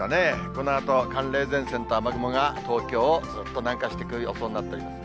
このあと、寒冷前線と雨雲が東京をずっと南下してくる予想になっています。